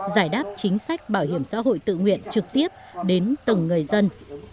giải đáp chính sách bảo hiểm xã hội tự nguyện trực tiếp đến từng người dân